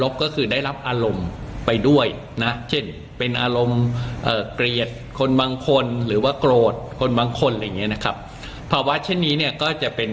ภาวะเช่นนี้เนี่ยก็จะเป็น